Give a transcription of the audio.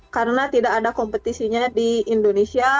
karena tidak ada kompetisinya di indonesia